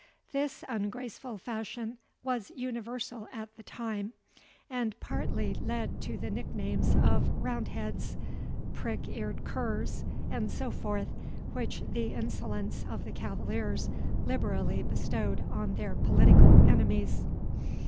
This ungraceful fashion was universal at the time, and partly led to the nicknames of roundheads, prick eared curs, and so forth, which the insolence of the cavaliers liberally bestowed on their political enemies.